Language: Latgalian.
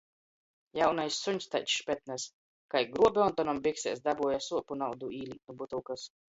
Jaunais suņs taids špetnys! Kai gruobe Ontonam biksēs, dabuoju suopu naudu īlīt nu butylkys.